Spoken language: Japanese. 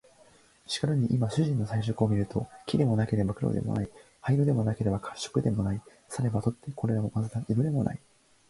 しかるに今主人の彩色を見ると、黄でもなければ黒でもない、灰色でもなければ褐色でもない、さればとてこれらを交ぜた色でもない